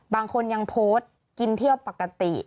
บางคนยังโพสต์กินเที่ยวปกติ